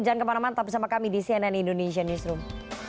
jangan kemana mana tetap bersama kami di cnn indonesia newsroom